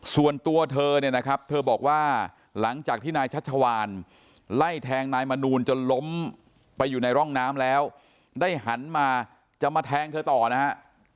ส่วนตัวเธอเนี่ยนะครับเธอบอกว่าหลังจากที่นายชัชวานไล่แทงนายมนูลจนล้มไปอยู่ในร่องน้ำแล้วได้หันมาจะมาแทงเธอต่อนะฮะ